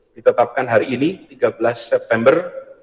ditetapkan hari ini tiga belas september